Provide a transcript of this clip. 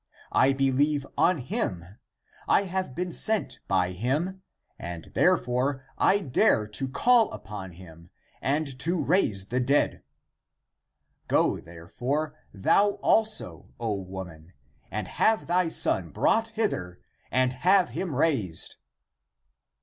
I believe on him, I have been sent by him, and (therefore) I dare to call upon him (and) to raise the dead. Go, therefore, thou also, O Woman, and have thy son brought hither and have him raised."